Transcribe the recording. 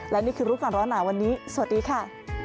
และนี่คือรู้ก่อนร้อนหนาวันนี้สวัสดีค่ะ